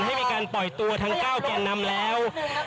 ให้มีการปล่อยตัวทั้ง๙แกนนำแล้ว